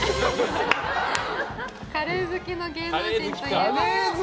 カレー好きの芸能人といえば？